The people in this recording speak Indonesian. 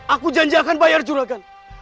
aku janjikan bayar juragan